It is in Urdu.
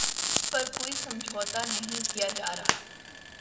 اس پر کوئی سمجھوتہ نہیں کیا جارہا